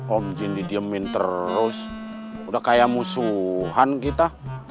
om jin didiemin terus udah kayak musuhan kita